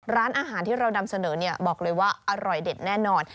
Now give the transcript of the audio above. ร้านอาหารที่เรานำเสนอบอกเลยว่าอร่อยเด็ดแน่นอน